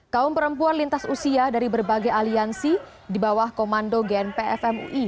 kaum perempuan lintas usia dari berbagai aliansi di bawah komando gnpf mui